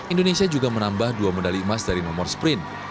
indonesia juga menambah dua medali emas dari nomor sprint